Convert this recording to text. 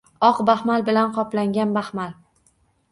Oq baxmal bilan qoplangan baxmal